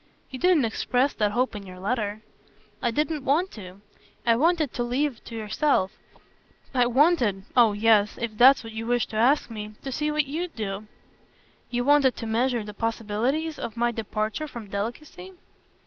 "You didn't express that hope in your letter." "I didn't want to. I wanted to leave it to yourself. I wanted oh yes, if that's what you wish to ask me to see what you'd do." "You wanted to measure the possibilities of my departure from delicacy?"